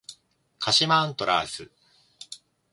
鹿島アントラーズ